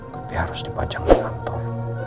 tapi harus dipajang di kantor